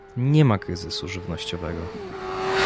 nie ma kryzysu żywnościowego!